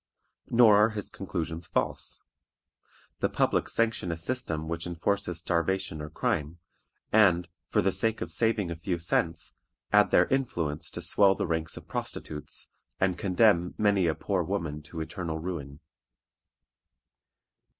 Nor are his conclusions false. The public sanction a system which enforces starvation or crime, and, for the sake of saving a few cents, add their influence to swell the ranks of prostitutes, and condemn many a poor woman to eternal ruin.